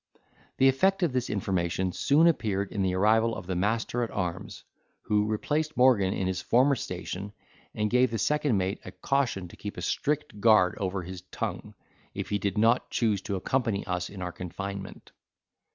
The effect of this information soon appeared in the arrival of the master at arms, who replaced Morgan in his former station, and gave the second mate a caution to keep a strict guard over his tongue, if he did not choose to accompany us in our confinement.